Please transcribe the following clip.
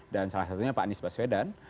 dan salah satunya pak anies baswedan